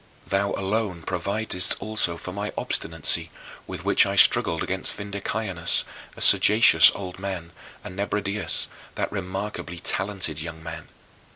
thou alone providedst also for my obstinacy with which I struggled against Vindicianus, a sagacious old man, and Nebridius, that remarkably talented young man.